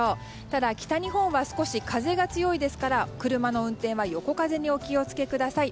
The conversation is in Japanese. ただ、北日本は少し風が強いですから車の運転は横風にお気を付けください。